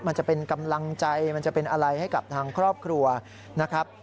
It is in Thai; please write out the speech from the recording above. มันจะเป็นกำลังใจมันจะเป็นอะไรให้กับทางครอบครัวนะครับ